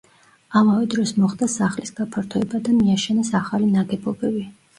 ამავე დროს მოხდა სახლის გაფართოება და მიაშენეს ახალი ნაგებობები.